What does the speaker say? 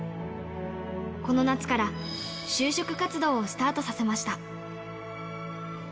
この夏から就職活動をスタートさせました。